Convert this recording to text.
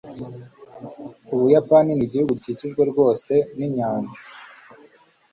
ubuyapani nigihugu gikikijwe rwose ninyanja